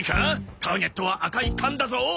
ターゲットは赤い缶だぞ！